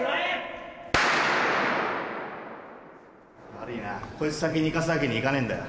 悪いなこいつ先に行かすわけにいかねえんだよ。